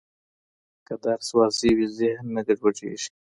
که درس واضح وي، ذهن نه ګډوډېږي.